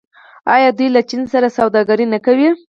آیا دوی له چین سره سوداګري نه کوي؟